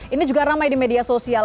ini juga ramai di media sosial